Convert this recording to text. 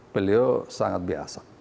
beliau sangat biasa